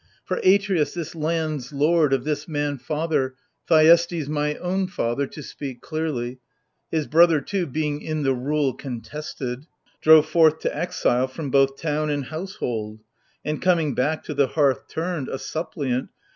For Atreus, this land's lord, of this man father, Thuestes, my own father — to speak clearly — His brother too, — being i' the rule contested, — Drove forth to exile from both town and household : And, coming back, to the hearth turned, a suppliant.